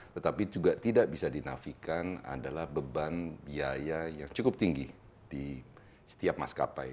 tetapi juga tidak bisa dinafikan adalah beban biaya yang cukup tinggi di setiap maskapai